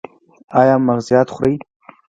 ایا مغزيات خورئ؟